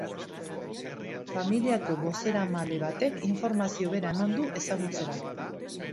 Familiako bozeramale batek informazio bera eman du ezagutzera.